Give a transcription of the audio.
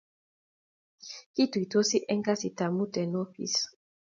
kituisotii en kazit ab muut en ofis